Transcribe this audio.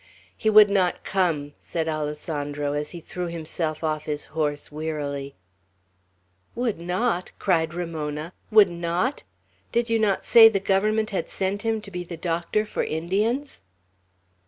"He would not come!" said Alessandro, as he threw himself off his horse, wearily. "Would not!" cried Ramona. "Would not! Did you not say the Government had sent him to be the doctor for Indians?"